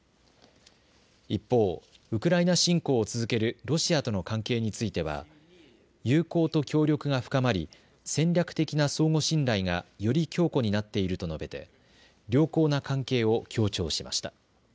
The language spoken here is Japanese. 一方、ウクライナ侵攻を続けるロシアとの関係については友好と協力が深まり、戦略的な相互信頼がより強固になっていると述べて良好な関係を強調しました。